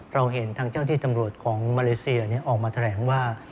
เราเห็นทางเจ้าที่ตำรวจของมาเลเซียออกมาแถลงว่า